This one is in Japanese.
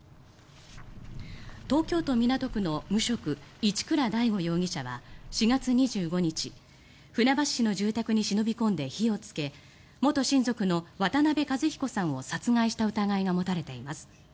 東京都港区の無職一倉大悟容疑者は４月２５日船橋市の住宅に忍び込んで火をつけ元親族の渡辺和彦さんを殺害した疑いが持たれています。